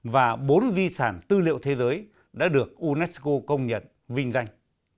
và bốn di sản tư liệu thế giới đã được unesco công nhận vinh danh